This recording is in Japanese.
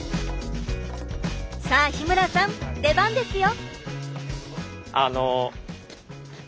さあ日村さん出番ですよ！